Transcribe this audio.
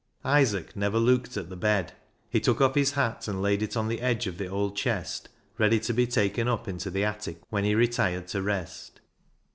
Isaac never looked at the bed. He took off his hat and laid it on the edge of an old chest, ready to be taken up into the attic when he retired to rest.